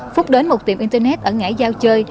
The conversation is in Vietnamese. phúc đến một tiệm internet ở ngãi giao chơi